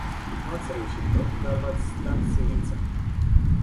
Nu ați reușit tot, dar v-ați dat silința.